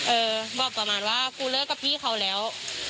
บอกประมาณว่ากูเลิกกับพี่เขาแล้ว